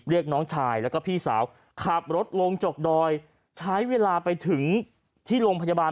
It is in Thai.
เรียกน้องชายแล้วก็พี่สาวขับรถลงจกดอยใช้เวลาไปถึงที่โรงพยาบาล